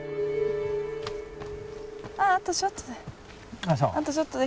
あっあとちょっとで。